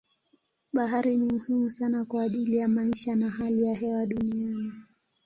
Bahari ni muhimu sana kwa ajili ya maisha na hali ya hewa duniani.